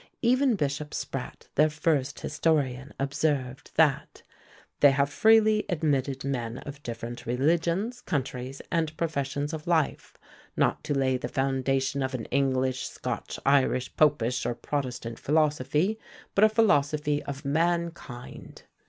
Even Bishop Sprat, their first historian, observed, that "they have freely admitted men of different religions, countries, and professions of life, not to lay the foundation of an English, Scotch, Irish, popish, or protestant philosophy, but a philosophy of mankind."